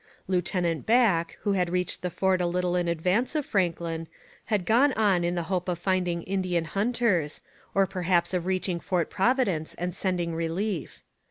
Lieutenant Back, who had reached the fort a little in advance of Franklin, had gone on in the hope of finding Indian hunters, or perhaps of reaching Fort Providence and sending relief.